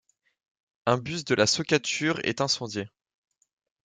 Un bus de la Socatur est incendié.